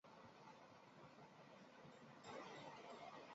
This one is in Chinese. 希尔伯恩镇区是位于美国阿肯色州麦迪逊县的一个行政镇区。